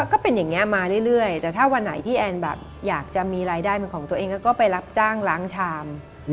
ก็เป็นอย่างนี้มาเรื่อยแต่ถ้าวันไหนที่แอนแบบอยากจะมีรายได้เป็นของตัวเองก็ไปรับจ้างล้างชาม